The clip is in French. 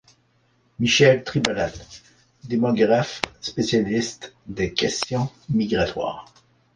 Michèle Tribalat, démographe spécialiste des questions migratoires.